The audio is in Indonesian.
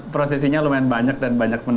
prosesinya lumayan banyak dan